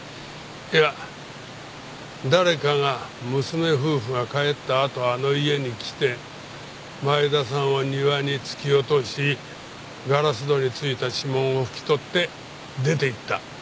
いや誰かが娘夫婦が帰ったあとあの家に来て前田さんを庭に突き落としガラス戸に付いた指紋を拭き取って出ていった。